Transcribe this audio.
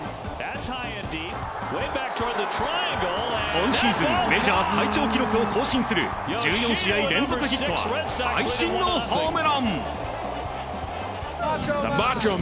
今シーズンメジャー最長記録を更新する１４試合連続ヒットは会心のホームラン！